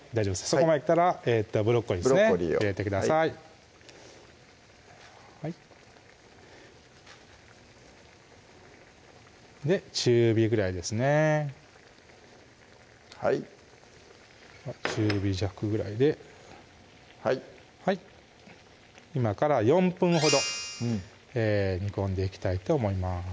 そこまできたらブロッコリーですね入れてください中火ぐらいですねはい中火弱ぐらいではい今から４分ほど煮込んでいきたいと思います